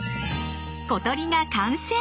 小鳥が完成！